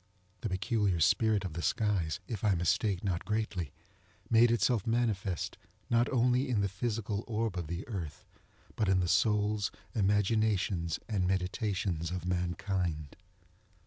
The peculiar spirit of the skies, if I mistake not greatly, made itself manifest, not only in the physical orb of the earth, but in the souls, imaginations, and meditations of mankind.